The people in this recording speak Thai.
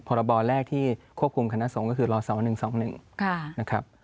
พรบแรกที่ควบคุมคณะสงฆ์ก็คือลศ๑๒๑นะครับ